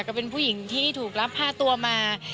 ก็เป็นผู้หญิงที่ถูกรับผ้าตัวมา